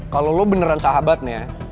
kalo lo beneran sahabat nih ya